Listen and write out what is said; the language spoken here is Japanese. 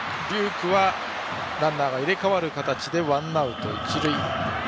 空はランナーが入れ替わる形でワンアウト、一塁。